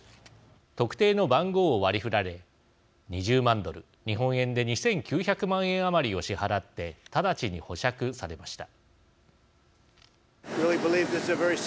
特定の番号を割りふられ２０万ドル、日本円で２９００万円余りを支払って直ちに保釈されました。